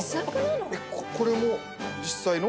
えっこれも実際の？